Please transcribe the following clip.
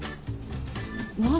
何？